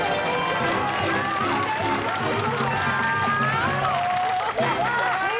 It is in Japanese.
やった！